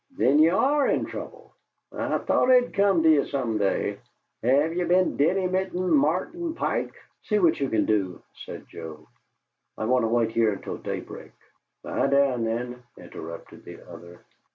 "Then ye ARE in trouble! I thought it 'd come to ye some day! Have ye been dinnymitin' Martin Pike?" "See what you can do," said Joe. "I want to wait here until daybreak." "Lie down, then," interrupted the other.